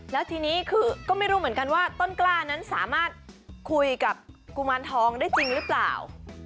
แล้วทีนี้คือก็ไม่รู้เหมือนกันว่าต้นกล้านั้นสามารถคุยกับกุมารทองได้จริงหรือเปล่า